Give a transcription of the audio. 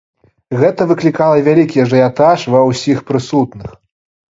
Гэта выклікала вялікі ажыятаж ва ўсіх прысутных.